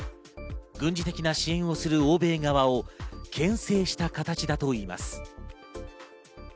軍事的な支援をする欧米側を牽制した形だといいます。